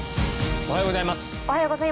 おはようございます。